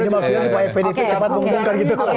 ini maksudnya supaya pdip cepat mengumumkan gitu